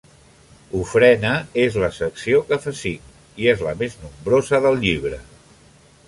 Ofrena és la secció que fa cinc i és la més nombrosa del llibre.